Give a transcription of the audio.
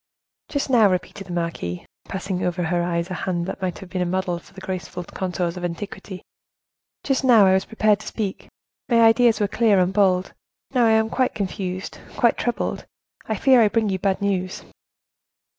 "Just now," repeated the marquise, passing over her eyes a hand that might have been a model for the graceful contours of antiquity; "just now I was prepared to speak, my ideas were clear and bold; now I am quite confused, quite troubled; I fear I bring you bad news."